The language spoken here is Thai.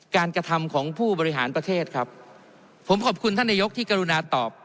กระทำของผู้บริหารประเทศครับผมขอบคุณท่านนายกที่กรุณาตอบ